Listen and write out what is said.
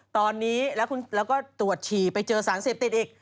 ตอนนี้แล้วก็ตรวจฉี่ไปเจอสารเสพติดอีก